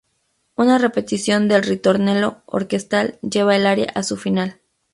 Una repetición del "ritornello" orquestal lleva el aria a su final.